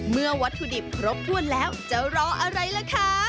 วัตถุดิบครบถ้วนแล้วจะรออะไรล่ะคะ